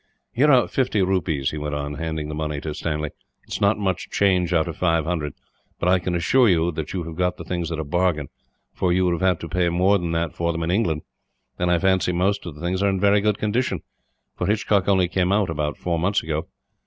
"Here are fifty rupees," he went on, handing the money to Stanley. "It is not much change out of five hundred; but I can assure you that you have got the things at a bargain, for you would have had to pay more than that for them, in England; and I fancy most of the things are in very good condition, for Hitchcock only came out about four months ago.